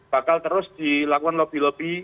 bakal terus dilakukan lobby lobby